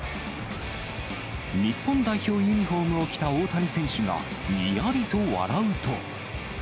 日本代表ユニホームを着た大谷選手が、にやりと笑うと。